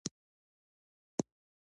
شاوخوا مې ورپسې وکتل، خو پیدا مې نه کړ.